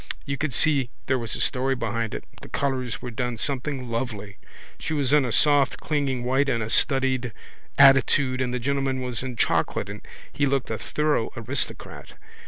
You could see there was a story behind it. The colours were done something lovely. She was in a soft clinging white in a studied attitude and the gentleman was in chocolate and he looked a thorough aristocrat.